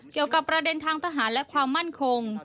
เกี่ยวกับประเด็นทางทหารและความมั่นคง